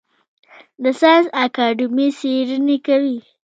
د ساینس اکاډمي څیړنې کوي